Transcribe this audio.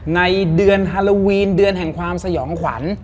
ในเดือนฮาโลวีนเดือนแห่งความสยองขวัญ